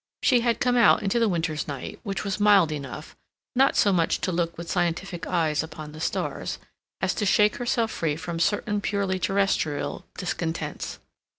She had come out into the winter's night, which was mild enough, not so much to look with scientific eyes upon the stars, as to shake herself free from certain purely terrestrial discontents.